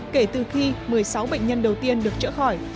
kể từ khi một mươi sáu bệnh nhân đầu tiên được trở khỏi